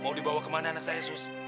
mau dibawa kemana anak saya